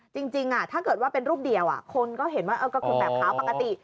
จริงถ้าเกิดว่าเป็นรูปเดียวคนก็เห็นว่าก็คือแบบขาวปกติ